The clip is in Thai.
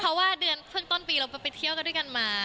เพราะว่าเดือนเพิ่งต้นปีเราไปเที่ยวกันด้วยกันมา